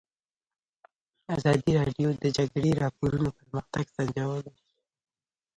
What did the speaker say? ازادي راډیو د د جګړې راپورونه پرمختګ سنجولی.